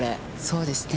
そうですね。